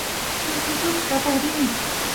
suk ututut kasay rini